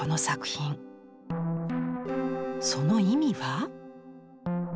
その意味は？